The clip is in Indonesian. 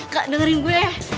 kak dengerin gue